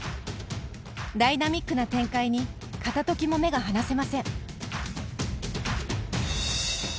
ダイナミックな展開に片ときも目が離せません。